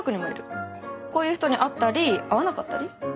こういう人に会ったり会わなかったり。